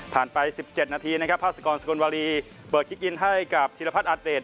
ผ่านไป๑๗นาทีนะครับภาษากรสกลวรีเปิดคลิกอินให้กับศิลพัฒน์อัตเตรด